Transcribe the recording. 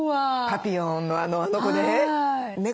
パピヨンのあの子ね。